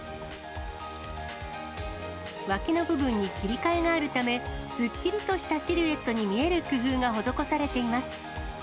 脇の部分に切り替えがあるため、すっきりとしたシルエットに見える工夫が施されています。